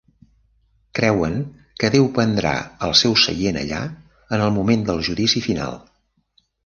Creuen que Déu prendrà el seu seient allà en el moment del Judici Final.